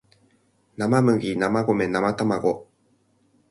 生麦生米生たまご